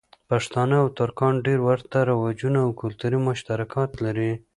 پښتانه او ترکان ډېر ورته رواجونه او کلتوری مشترکات لری.